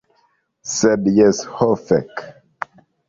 Sed jes, ho fek'